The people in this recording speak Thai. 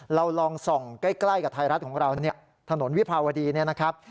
เราลองส่องใกล้กับไทยรัฐของเราถนนวิพาวดีนะครับ